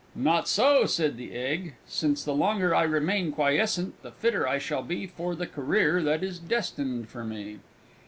"Not so!" said the Egg, "since the longer I remain quiescent, the fitter I shall be for the career that is destined for me."